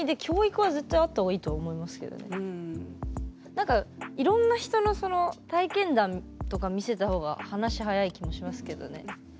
何かいろんな人の体験談とか見せた方が話早い気もしますけどね。